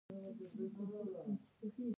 د ځمکې دپاسه